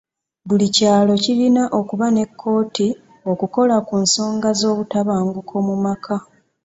Buli kyalo kirina okuba ne kkooti okukola ku nsonga z'obutabanguko mu maka.